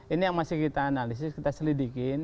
ini yang masih kita analisis kita selidikin